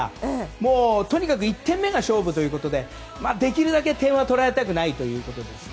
もう、とにかく１点目が勝負でできるだけ点は取られたくないということですね。